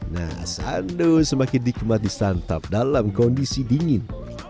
nah sando semakin dikemat di santap dalam kondisi dingin